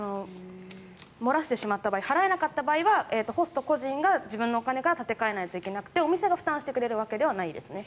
漏らしてしまった場合払えなかった場合はホスト個人が自分のお金から立て替えないといけなくてお店が負担してくれるわけではない。